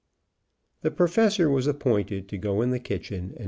The Professor was appointed to go in the kitchen and.